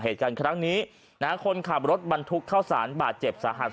เหตุการณ์ครั้งนี้นะฮะคนขับรถบรรทุกเข้าสารบาดเจ็บสาหัส